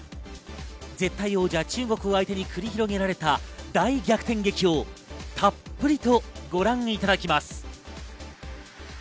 絶対王者・中国を相手に繰り広げられた大逆転劇をたっぷりとご覧いただきます。